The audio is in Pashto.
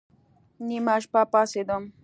نيمه شپه پاڅېدم.